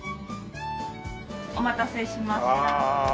お待たせしました。